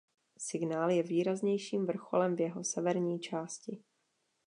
Signál je výraznějším vrcholem v jeho severní části.